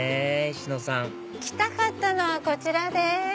石野さん来たかったのはこちらです。